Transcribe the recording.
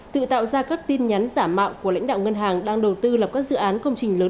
tự tạo ra các tin nhắn giả mạo của lãnh đạo ngân hàng đang đầu tư lập các dự án công trình lớn